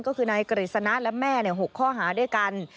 ก็คือนายกฤษณะและแม่๖ข้อหาด้วยกัน